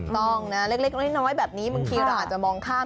ต้องนะเล็กน้อยแบบนี้บางทีเราอาจจะมองข้าม